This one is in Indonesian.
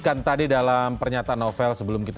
kami akan mencoba untuk mengucapkan